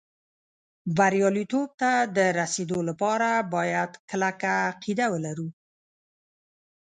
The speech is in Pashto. بریالېتوب ته د رسېدو لپاره باید کلکه عقیده ولرو